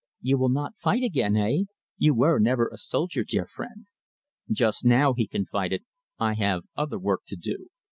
You will not fight again, eh? You were never a soldier, dear friend." "Just now," he confided, "I have other work to do.